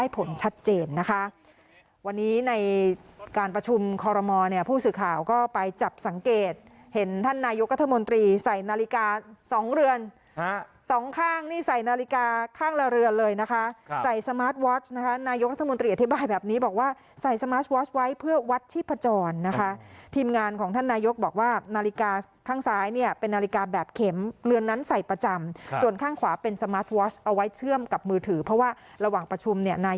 ผลชัดเจนนะคะวันนี้ในการประชุมคอรมน์เนี้ยผู้สื่อข่าวก็ไปจับสังเกตเห็นท่านนายกระทะมนตรีใส่นาฬิกาสองเรือนฮะสองข้างนี่ใส่นาฬิกาข้างละเรือนเลยนะคะครับใส่สมาร์ทวอชนะคะนายกระทะมนตรีอธิบายแบบนี้บอกว่าใส่สมาร์ทวอชไว้เพื่อวัดที่ผจรนะคะทีมงานของท่านนายกบอกว่านาฬิกาข้างซ้ายเนี้